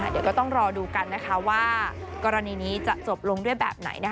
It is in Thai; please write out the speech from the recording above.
เดี๋ยวก็ต้องรอดูกันนะคะว่ากรณีนี้จะจบลงด้วยแบบไหนนะคะ